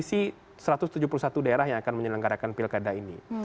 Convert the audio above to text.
nah itu adalah supervisi satu ratus tujuh puluh satu daerah yang akan menyelenggarakan pilkada ini